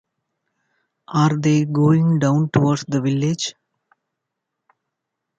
Are they going down towards the village?